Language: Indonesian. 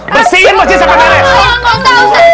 bersihin masjid sama tarik